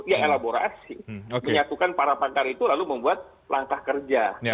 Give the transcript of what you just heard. ya elaborasi menyatukan para pakar itu lalu membuat langkah kerja